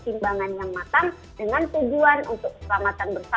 dengan tujuan untuk keselamatan bersama budi elmasi empat anak anak